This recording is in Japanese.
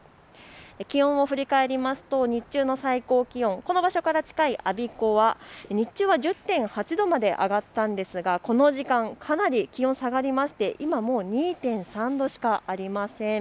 気温を振り返りますと日中の最高気温、この場所から近い我孫子は１０．８度まで上がったんですがこの時間かなり気温が下がりまして今は２．３度しかありません。